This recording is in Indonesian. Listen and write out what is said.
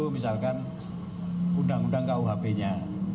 misalkan undang undang kuhp nya